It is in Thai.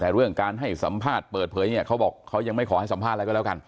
แต่เรื่องการให้สัมภาษณ์เปิดเผยเนี่ยเขาบอกเขายังไม่ขอให้สัมภาษณ์อะไรก็แล้วกัน